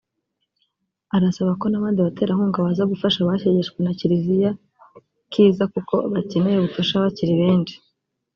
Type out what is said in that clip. Arasaba ko n’abandi baterankunga baza gufasha abashegeshwe na kiriya kiza kuko abakeneye ubufasha bakiri benshi